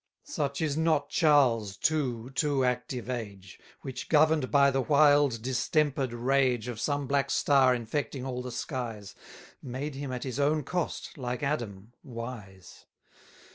110 Such is not Charles' too, too active age, Which, govern'd by the wild distemper'd rage Of some black star infecting all the skies, Made him at his own cost, like Adam, wise.